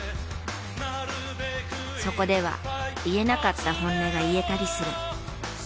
そこでは言えなかった本音が言えたりする。